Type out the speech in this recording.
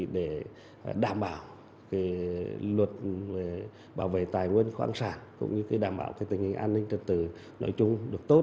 để đối phó với lực lượng chức năng